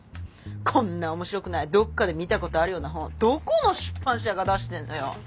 こんな面白くないどっかで見たことあるような本どこの出版社が出してんのよ？